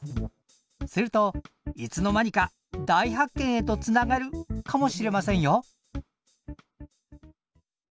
するといつの間にか大発見へとつながるかもしれませんよ！